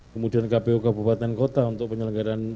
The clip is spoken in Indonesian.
kemudian kpu kabupaten kota untuk penyelenggaran